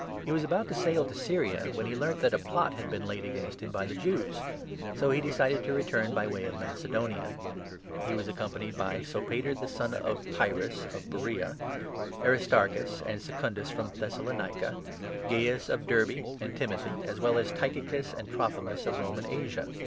He was about to sail to 3 Syria, when he learnt that a plot had been laid against him by the Jews ; so he decided to return by way of Mace donia. He was accompanied by Sopater the son of Pyrrhus, 4 of Beroea, Aristarchus and Secundus from Thessalonica, Gaius of Derbe, and Timothy, as well as by Tychicus and Trophimus of Roman Asia.